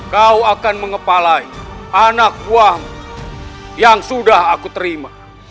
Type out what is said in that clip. kau akan mengepalai anak buahmu yang sudah aku terima